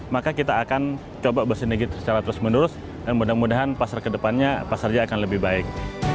maka kita akan coba bersinega secara terus menerus dan mudah mudahan pasar kedepannya pasarnya akan lebih baik